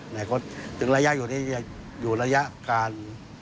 ในก็ถึงหลายอย่างอยู่นี้อยู่รยะการ